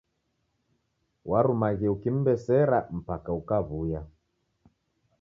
Warumaghie ukim'besera mpaka ukaw'uya.